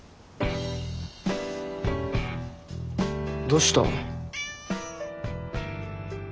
どうした？